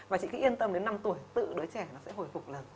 và chị khi yên tâm đến năm tuổi tự đứa trẻ nó sẽ hồi phục lần